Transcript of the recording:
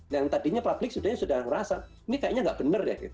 yang tadinya publik sudah merasa ini kayaknya nggak benar ya